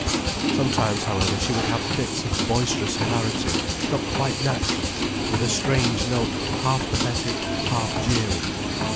Sometimes, however, she would have fits of boisterous hilarity, not quite natural, with a strange note half pathetic, half jeering.